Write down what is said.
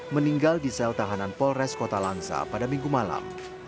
meninggal di sel tahanan polres kota langsa pada minggu malam